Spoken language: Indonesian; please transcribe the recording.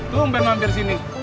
tunggu mampir sini